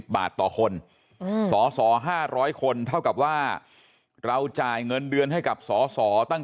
บาทต่อคนสส๕๐๐คนเท่ากับว่าเราจ่ายเงินเดือนให้กับสสตั้ง